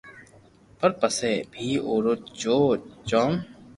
پر پسي بي اورو جو جوم